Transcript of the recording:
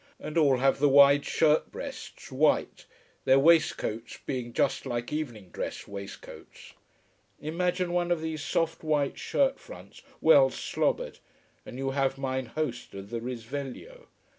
And all have the wide shirt breasts, white, their waistcoats being just like evening dress waistcoats. Imagine one of these soft white shirt fronts well slobbered, and you have mine host of the Risveglio.